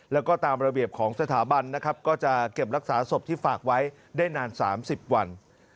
แล้วก็ตามระเบียบของสถาบันนะครับก็จะเก็บรักษาศพที่ฝากไว้ได้นาน๓๐วัน